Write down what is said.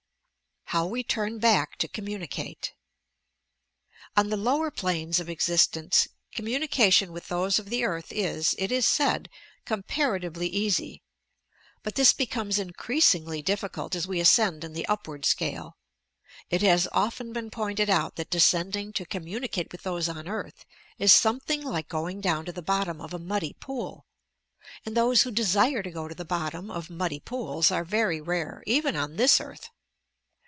HOW WE TURN BACK TO COMMUNICATE On the lower planes of existence eommunicatior with those of the earth is, it is said, comparatively, ea^ ; bat 304 TOUR PSYCHIC POWERS this becomes increasingly difficult as we ascend in the upward scale. It has often been pointed out that descending to communicate with those on earth is some thing like going down to the bottom of a muddy pool; and those who desire to go to the bottom of muddy pools are very rare, even on this earth!